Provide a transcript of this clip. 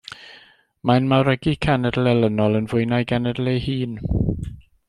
Mae'n mawrygu cenedl elynol yn fwy na'i genedl ei hun.